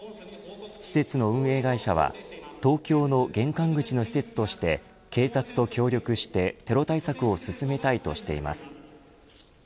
施設の運営会社は東京の玄関口の施設として警察と協力してテロ対策を進めたいとしています。